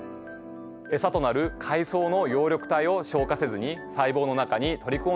エサとなる海藻の葉緑体を消化せずに細胞の中に取り込んでしまうんです。